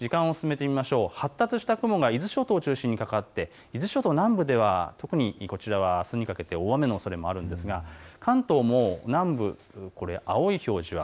発達した雲が伊豆諸島を中心にかかって南部ではあすにかけて大雨のおそれもあるんですが関東も南部、青い表示が。